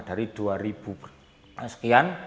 dari dua sekian